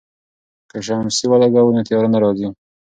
که شمسی ولګوو نو تیاره نه راځي.